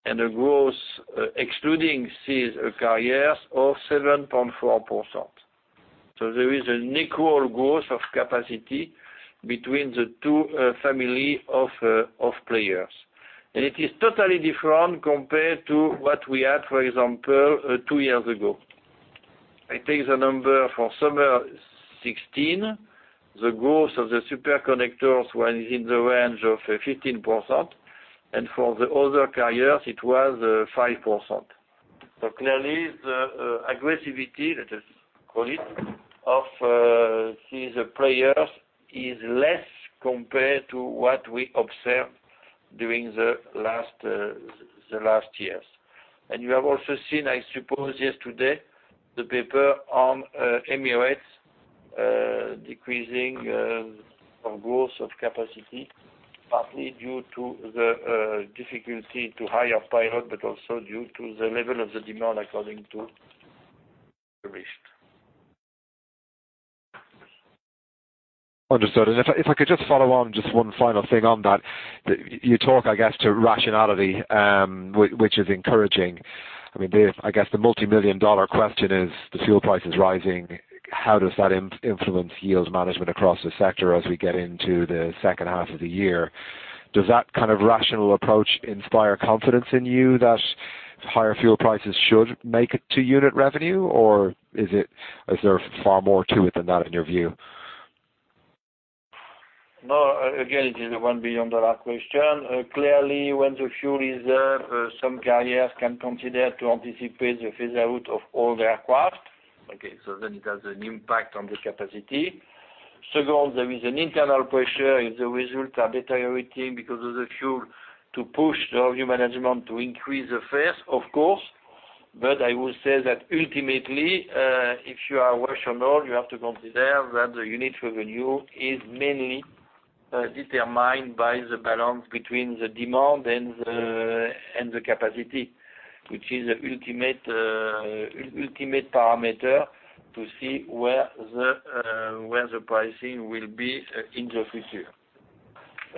and a growth excluding these carriers of 7.4%. There is an equal growth of capacity between the two family of players. It is totally different compared to what we had, for example, two years ago. I take the number for summer 2016, the growth of the super-connectors was in the range of 15%, and for the other carriers, it was 5%. Clearly, the aggressivity, let us call it, of these players is less compared to what we observed during the last years. You have also seen, I suppose, yesterday, the paper on Emirates Decreasing of growth of capacity, partly due to the difficulty to hire pilot, but also due to the level of the demand. Understood. If I could just follow on, just one final thing on that. You talk, I guess, to rationality, which is encouraging. The multimillion-dollar question is the fuel price is rising, how does that influence yield management across the sector as we get into the second half of the year? Does that kind of rational approach inspire confidence in you that higher fuel prices should make it to unit revenue? Is there far more to it than that in your view? Again, it is a one billion-dollar question. Clearly, when the fuel is there, some carriers can consider to anticipate the phase out of all the aircraft. It has an impact on the capacity. Second, there is an internal pressure if the results are deteriorating because of the fuel to push the volume management to increase the fares, of course. I would say that ultimately, if you are rational, you have to consider that the unit revenue is mainly determined by the balance between the demand and the capacity, which is the ultimate parameter to see where the pricing will be in the future.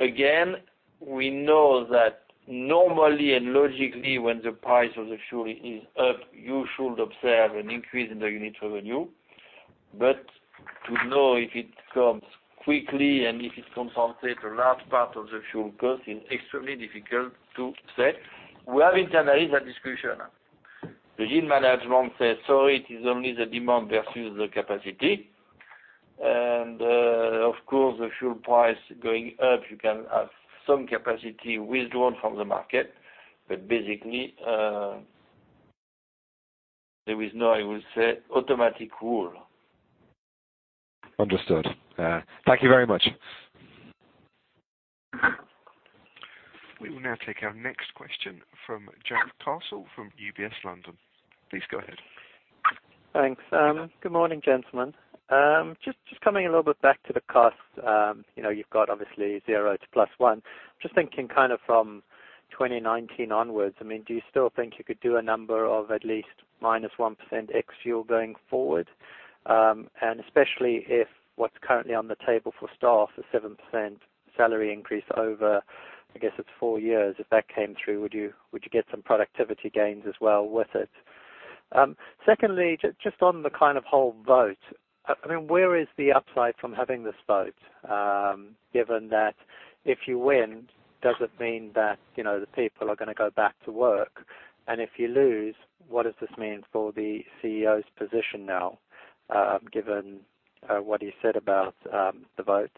Again, we know that normally and logically, when the price of the fuel is up, you should observe an increase in the unit revenue. To know if it comes quickly and if it compensates a large part of the fuel cost is extremely difficult to say. We have internally that discussion. The yield management says, it is only the demand versus the capacity. Of course, the fuel price going up, you can have some capacity withdrawn from the market. Basically, there is no, I would say, automatic rule. Understood. Thank you very much. We will now take our next question from Jarrod Castle from UBS London. Please go ahead. Thanks. Good morning, gentlemen. Coming a little bit back to the cost. You've got obviously 0 to +1. Thinking from 2019 onwards, do you still think you could do a number of at least -1% ex-fuel going forward? Especially if what's currently on the table for staff, the 7% salary increase over, I guess it's 4 years, if that came through, would you get some productivity gains as well with it? Secondly, on the whole vote, where is the upside from having this vote? Given that if you win, does it mean that the people are going to go back to work? If you lose, what does this mean for the CEO's position now, given what he said about the vote?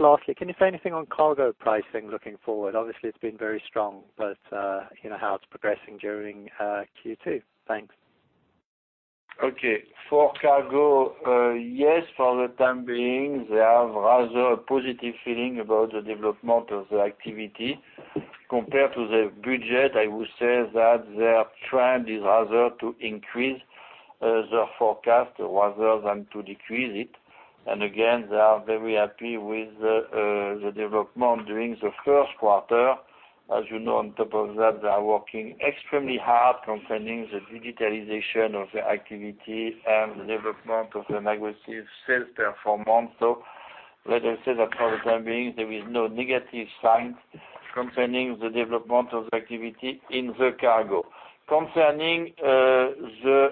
Lastly, can you say anything on cargo pricing looking forward? Obviously, it's been very strong, but how it's progressing during Q2. Thanks. For cargo, yes, for the time being, they have rather a positive feeling about the development of the activity. Compared to the budget, I would say that their trend is rather to increase their forecast rather than to decrease it. Again, they are very happy with the development during the first quarter. As you know, on top of that, they are working extremely hard concerning the digitalization of the activity and the development of the negative sales performance. Let us say that for the time being, there is no negative sign concerning the development of activity in the cargo. Concerning the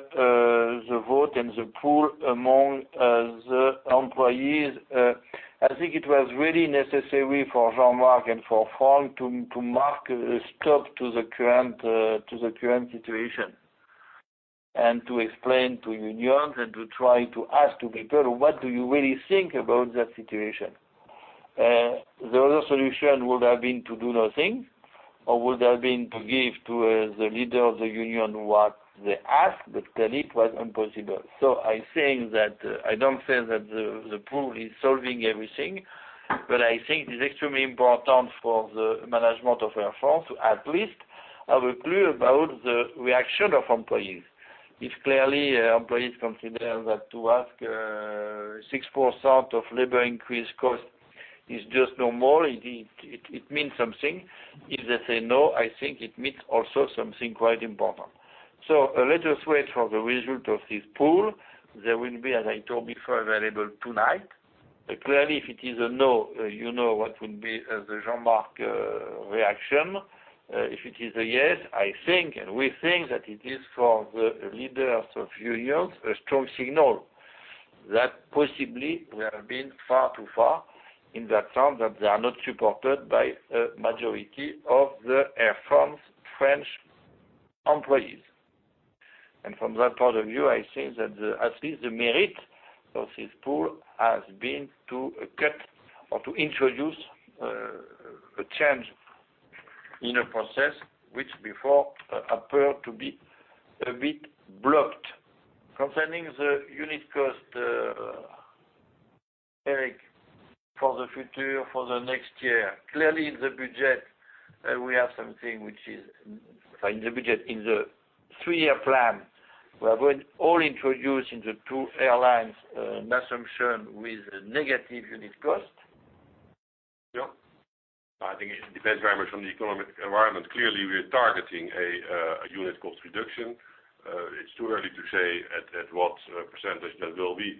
vote and the poll among the employees, I think it was really necessary for Jean-Marc and for Franck to mark a stop to the current situation, and to explain to unions and to try to ask to people, what do you really think about that situation? The other solution would have been to do nothing, or would have been to give to the leader of the union what they ask, but then it was impossible. I don't say that the poll is solving everything, but I think it is extremely important for the management of Air France to at least have a clue about the reaction of employees. If clearly employees consider that to ask 6% of labor increase cost is just no more, it means something. If they say no, I think it means also something quite important. Let us wait for the result of this poll. There will be, as I told before, available tonight. Clearly, if it is a no, you know what will be the Jean-Marc reaction. If it is a yes, I think, we think that it is for the leaders of unions, a strong signal that possibly we have been far too far in that sense that they are not supported by a majority of the Air France French employees. From that point of view, I say that at least the merit of this poll has been to cut or to introduce a change in a process which before appeared to be a bit blocked. Concerning the unit cost Erik, for the future, for the next year. Clearly, in the budget we have something which is, in the three-year plan, we have all introduced in the two airlines an assumption with negative unit cost. Yeah. I think it depends very much on the economic environment. Clearly, we're targeting a unit cost reduction. It's too early to say at what percentage that will be.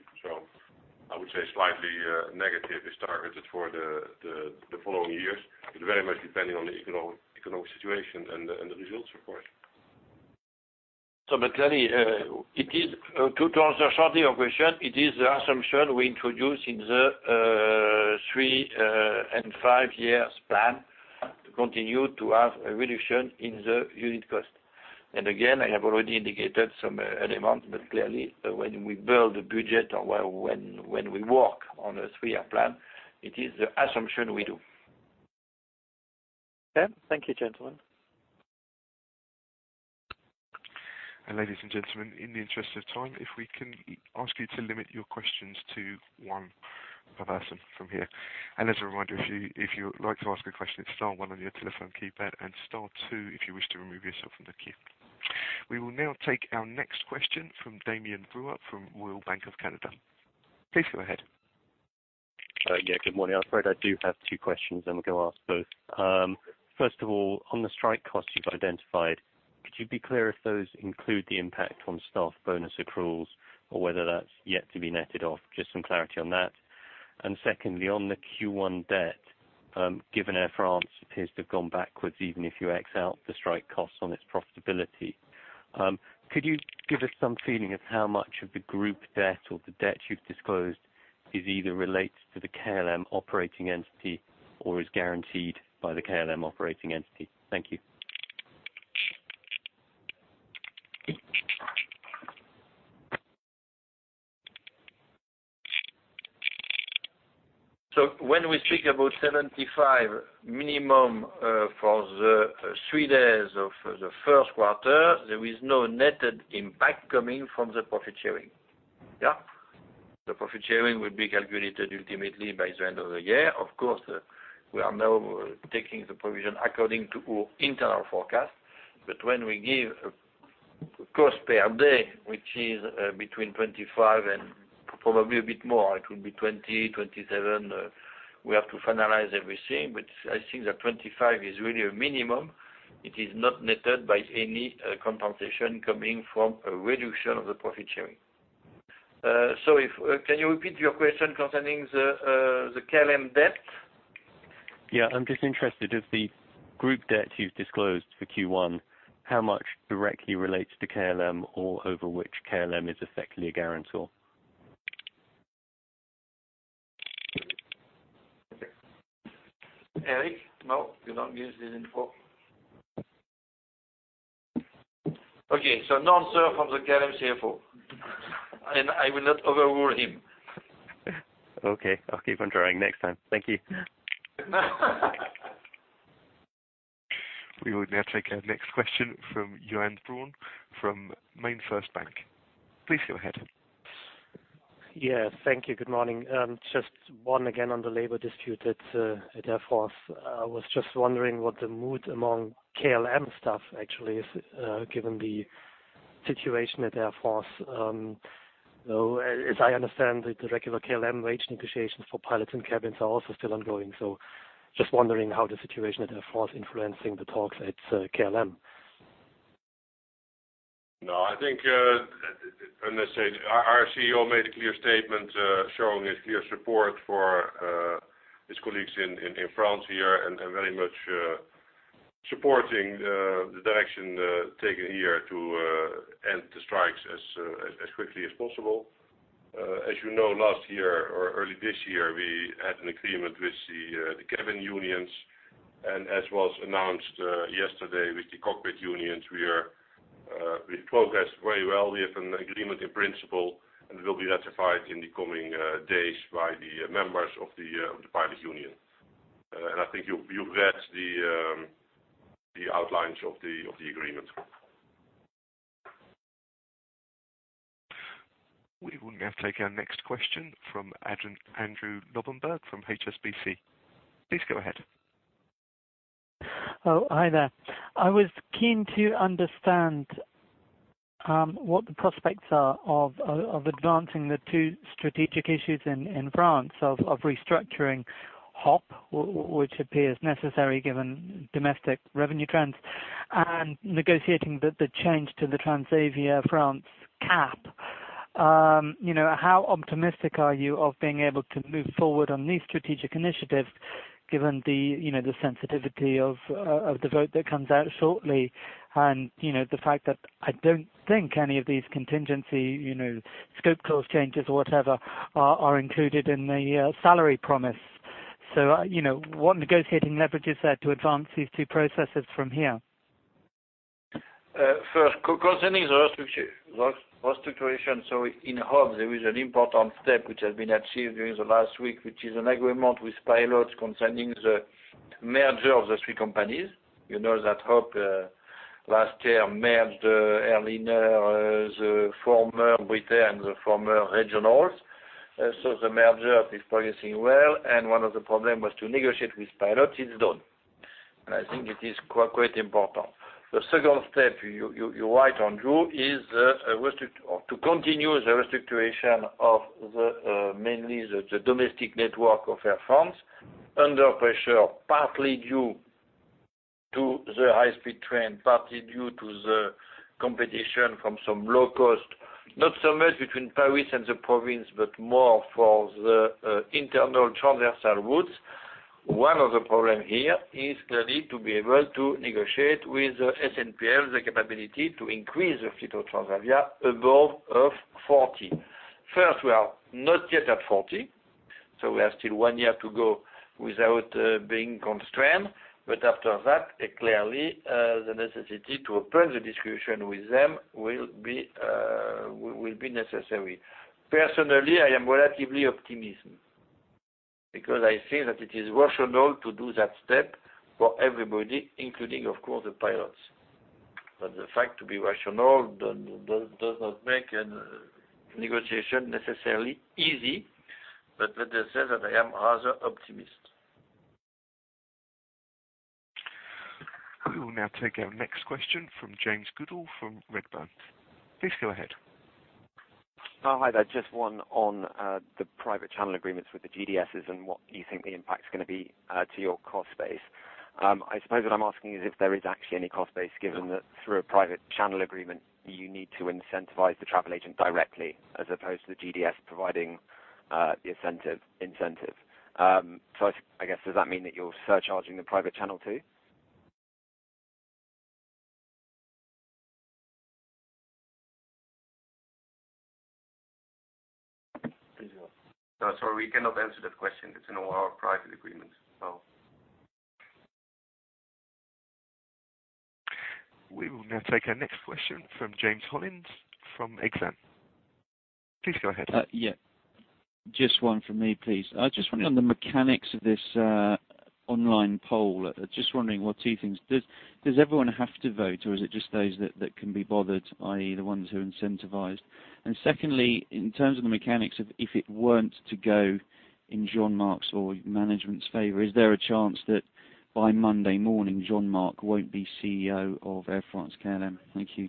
I would say slightly negative is targeted for the following years, but very much depending on the economic situation and the results, of course. Clearly, to answer shortly your question, it is the assumption we introduce in the three and five years plan to continue to have a reduction in the unit cost. Again, I have already indicated some elements, clearly, when we build the budget or when we work on a three-year plan, it is the assumption we do. Okay. Thank you, gentlemen. Ladies and gentlemen, in the interest of time, if we can ask you to limit your questions to one per person from here. As a reminder, if you'd like to ask a question, it is star one on your telephone keypad, and star two if you wish to remove yourself from the queue. We will now take our next question from Damian Brewer from Royal Bank of Canada. Please go ahead. Good morning. I am afraid I do have two questions, and we can ask both. First of all, on the strike costs you have identified, could you be clear if those include the impact on staff bonus accruals or whether that is yet to be netted off? Just some clarity on that. Secondly, on the Q1 debt, given Air France appears to have gone backwards, even if you X out the strike costs on its profitability, could you give us some feeling of how much of the group debt or the debt you have disclosed is either relates to the KLM operating entity or is guaranteed by the KLM operating entity? Thank you. When we speak about 75 million minimum for the three days of the first quarter, there is no netted impact coming from the profit sharing. The profit sharing will be calculated ultimately by the end of the year. Of course, we are now taking the provision according to our internal forecast. When we give a cost per day, which is between 25 million and probably a bit more, it will be 20 million, 27 million. We have to finalize everything, I think that 25 million is really a minimum. It is not netted by any compensation coming from a reduction of the profit sharing. Sorry, can you repeat your question concerning the KLM debt? I am just interested, of the group debt you have disclosed for Q1, how much directly relates to KLM or over which KLM is effectively a guarantor? Erik? No, you don't give this info. Okay, no answer from the KLM CFO, and I will not overrule him. Okay. I'll keep on trying next time. Thank you. We will now take our next question from Johan Braun from MainFirst Bank. Please go ahead. Yes. Thank you. Good morning. Just one again on the labor dispute at Air France. I was just wondering what the mood among KLM staff actually is, given the situation at Air France. As I understand, the regular KLM wage negotiations for pilots and cabins are also still ongoing, just wondering how the situation at Air France influencing the talks at KLM. I think, our CEO made a clear statement showing his clear support for his colleagues in France here and very much supporting the direction taken here to end the strikes as quickly as possible. As you know, last year or early this year, we had an agreement with the cabin unions. As was announced yesterday with the cockpit unions, we progressed very well. We have an agreement in principle, and it will be ratified in the coming days by the members of the pilot union. I think you've read the outlines of the agreement. We will now take our next question from Andrew Lobbenberg from HSBC. Please go ahead. Hi there. I was keen to understand what the prospects are of advancing the two strategic issues in France of restructuring HOP!, which appears necessary given domestic revenue trends, and negotiating the change to the Transavia France cap. How optimistic are you of being able to move forward on these strategic initiatives, given the sensitivity of the vote that comes out shortly, and the fact that I don't think any of these contingency scope clause changes or whatever are included in the salary promise. What negotiating leverage is there to advance these two processes from here? First, concerning the restructuration, in HOP, there is an important step which has been achieved during the last week, which is an agreement with pilots concerning the merger of the three companies. You know that HOP, last year, merged Airlinair, the former Brit Air and the former Régional. The merger is progressing well, and one of the problems was to negotiate with pilots, it's done. I think it is quite important. The second step you're right on, Drew, is to continue the restructuration of mainly the domestic network of Air France, under pressure, partly due to the high-speed train, partly due to the competition from some low cost, not so much between Paris and the province, but more for the internal transversal routes. One of the problem here is clearly to be able to negotiate with SNPL, the capability to increase the fleet of Transavia above of 40. First, we are not yet at 40, so we have still one year to go without being constrained. After that, clearly, the necessity to open the discussion with them will be necessary. Personally, I am relatively optimistic because I think that it is rational to do that step for everybody, including, of course, the pilots. The fact to be rational does not make a negotiation necessarily easy, but let us say that I am rather optimist. We will now take our next question from James Goodall from Redburn. Please go ahead. Oh, hi there. Just one on the private channel agreements with the GDSs and what you think the impact's going to be to your cost base. I suppose what I'm asking is if there is actually any cost base, given that through a private channel agreement, you need to incentivize the travel agent directly as opposed to the GDS providing the incentive. I guess, does that mean that you're surcharging the private channel too? Benjamin? No, sorry, we cannot answer that question. It's in all our private agreements. We will now take our next question from James Hollins from Exane. Please go ahead. Yeah. Just one from me, please. I just wondering on the mechanics of this online poll. Just wondering, well, two things. Does everyone have to vote, or is it just those that can be bothered, i.e., the ones who are incentivized? Secondly, in terms of the mechanics of if it weren't to go in Jean-Marc's or management's favor, is there a chance that by Monday morning, Jean-Marc won't be CEO of Air France-KLM? Thank you.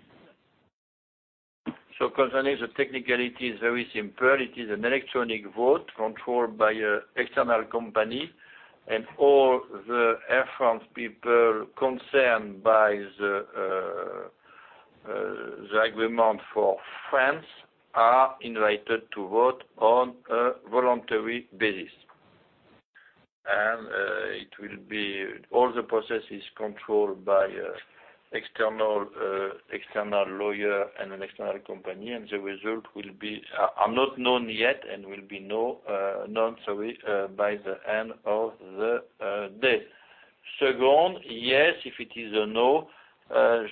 Concerning the technicality, it is very simple. It is an electronic vote controlled by an external company, all the Air France people concerned by the agreement for France are invited to vote on a voluntary basis. All the process is controlled by external lawyer and an external company, the result are not known yet and will be known by the end of the day. Second, yes, if it is a no,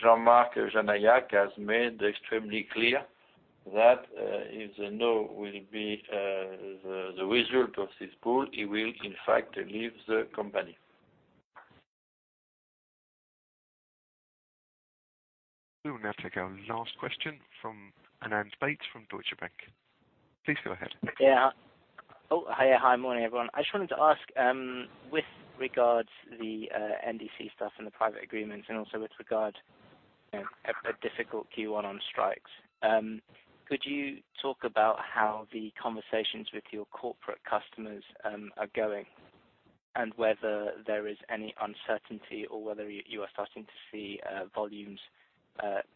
Jean-Marc Janaillac has made extremely clear that if the no will be the result of this poll, he will in fact leave the company. We will now take our last question from Anand Bates from Deutsche Bank. Please go ahead. Hi, morning, everyone. I just wanted to ask, with regards to the NDC stuff and the private agreements, also with regard a difficult Q1 on strikes, could you talk about how the conversations with your corporate customers are going? Whether there is any uncertainty or whether you are starting to see volumes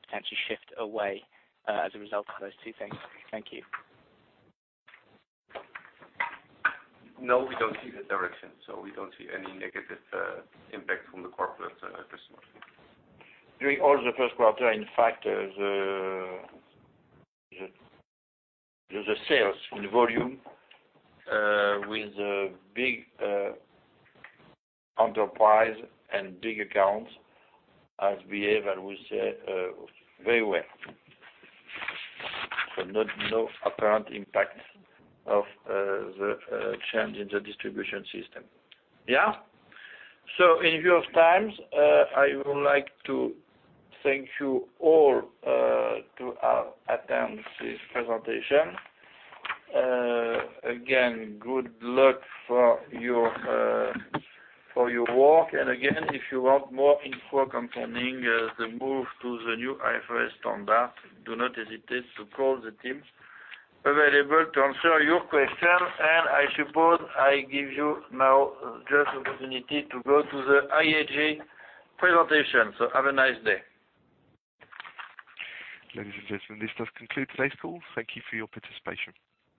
potentially shift away as a result of those two things. Thank you. No, we don't see that direction. We don't see any negative impact from the corporate customers. During all the first quarter, in fact, the sales in volume with big enterprise and big accounts has behaved, I would say, very well. No apparent impact of the change in the distribution system. In view of times, I would like to thank you all to attend this presentation. Again, good luck for your work. Again, if you want more info concerning the move to the new IFRS standard, do not hesitate to call the team available to answer your question. I suppose I give you now just opportunity to go to the IAG presentation. Have a nice day. Ladies and gentlemen, this does conclude today's call. Thank you for your participation.